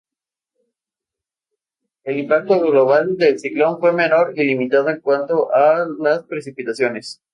El impacto global del ciclón fue menor y limitado en cuanto a las precipitaciones.